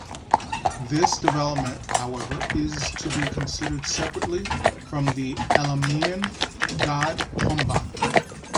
This development, however, is to be considered separately from the Elamian god Humban.